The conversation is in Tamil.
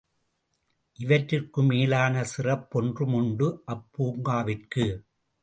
இவற்றிற்கு மேலான சிறப்பொன்றும் உண்டு அப் பூங்காவிற்கு.